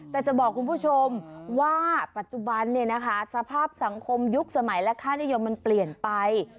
แต่จะบอกคุณผู้ชมว่าปัจจุบันสภาพสังคมยุคสมัยและค่านิยมมันเปลี่ยนไป